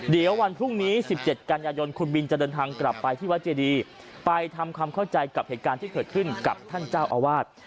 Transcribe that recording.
เดี๋ยววันพรุ่งนี้๑๗กันยายนคุณบินจะเดินทางกลับไปที่วัดเจดีไปทำความเข้าใจกับเหตุการณ์ที่เกิดขึ้นกับท่านเจ้าอาวาส